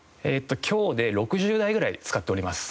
今日で６０台ぐらい使っております。